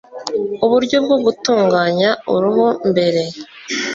uburyo bwo gutunganya uruhu mbere